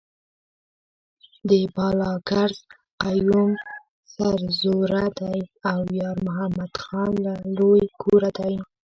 د بالاکرز قیوم سرزوره دی او یارمحمد خان له لوی کوره دی.